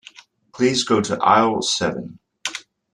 Please go to aisle seven.